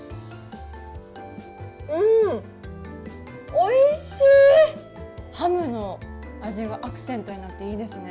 うん、おいしい、ハムの味がアクセントになっていいですね。